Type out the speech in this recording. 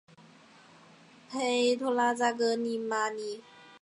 佩托拉扎格里马尼。